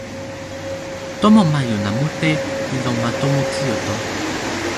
tomo majuna mute li lon ma tomo Kijoto.